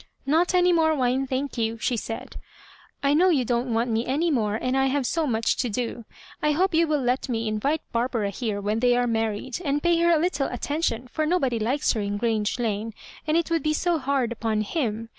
" Not any more wine, thank you," she said. I know you don't want me any more, and I have so much to do. I hope you will let me in vite Barbara here when they are married, and pay her a littie attention, for nobody likes her in Grange Lane, and it would be so hard upon him.